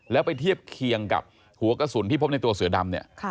แล้วไปเทียบเคียงกับหัวกระสุนที่พบในตัวเสือดำเนี่ย